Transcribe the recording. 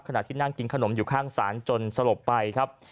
ขณะที่นั่งกินขนมอยู่ข้างศาลจนสลบไปครับ